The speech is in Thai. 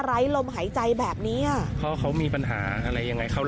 ไล้ลมหายใจแบบนี้อ่ะ